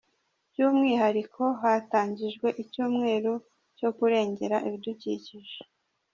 By’umwihariko hatangijwe icyumweru cyo kurengera ibidukikije.